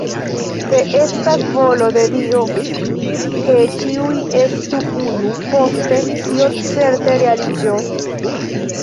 Se estas volo de Dio, ke ĉiuj estu unu, poste tio certe realiĝos.